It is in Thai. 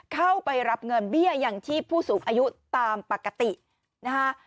เข้าไปรับเงินเบี้ยยังชีพผู้สูงอายุตามปกตินะคะ